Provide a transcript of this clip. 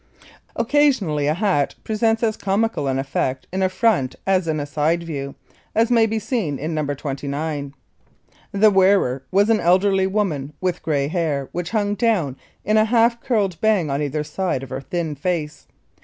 [Illustration: NO. 29] Occasionally a hat presents as comical an effect in a from as in a side view, as may be seen in No. 29. The wearer was an elderly woman with gray hair which hung down in a half curled bang on either side of her thin face.